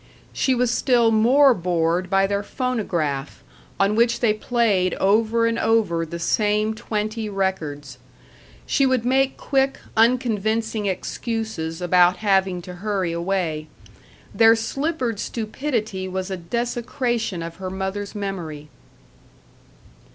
She was still more bored by their phonograph, on which they played over and over the same twenty records. She would make quick, unconvincing excuses about having to hurry away. Their slippered stupidity was a desecration of her mother's memory.